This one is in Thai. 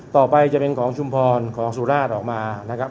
ต่อไปจะเป็นของชุมพรของสุราชออกมานะครับ